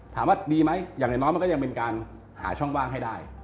ถามว่าดีไหมอย่างน้อยมันก็ยังเป็นการหาช่องว่างให้ได้